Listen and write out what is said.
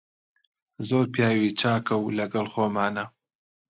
زۆر پیاوی چاکە و لەگەڵ خۆمانە.